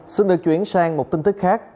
xin được chuyển sang một tin tức khác